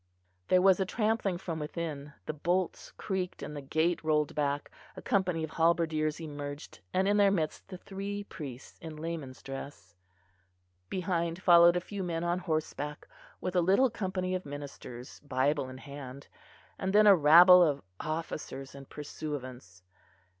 There was a trampling from within, the bolts creaked, and the gate rolled back; a company of halberdiers emerged, and in their midst the three priests in laymen's dress; behind followed a few men on horseback, with a little company of ministers, bible in hand; and then a rabble of officers and pursuivants.